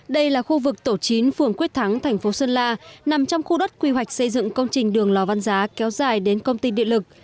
đây là khu vực tổ chín phường quyết thắng thành phố sơn la nằm trong khu đất quy hoạch xây dựng công trình đường lò văn giá kéo dài đến công ty điện lực